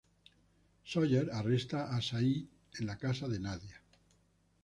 Sawyer arresta a sayid en la casa de Nadia.